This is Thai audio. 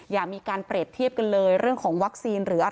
อย่ามีการเปรียบเทียบกันเลยเรื่องของวัคซีนหรืออะไร